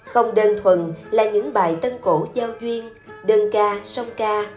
không đơn thuần là những bài tân cổ giao duyên đơn ca sông ca